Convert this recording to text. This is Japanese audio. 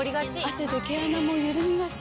汗で毛穴もゆるみがち。